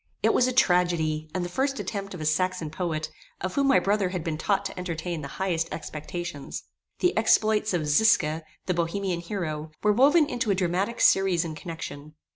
It was a tragedy, and the first attempt of a Saxon poet, of whom my brother had been taught to entertain the highest expectations. The exploits of Zisca, the Bohemian hero, were woven into a dramatic series and connection.